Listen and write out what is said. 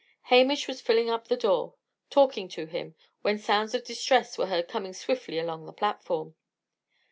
Hamish was filling up the door, talking to him, when sounds of distress were heard coming swiftly along the platform.